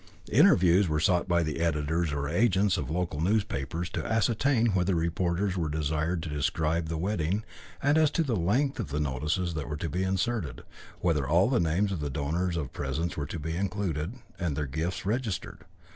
Interviews were sought by the editors or agents of local newspapers to ascertain whether reporters were desired to describe the wedding, and as to the length of the notices that were to be inserted, whether all the names of the donors of presents were to be included, and their gifts registered.